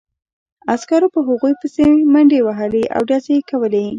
عسکرو په هغوی پسې منډې وهلې او ډزې یې کولې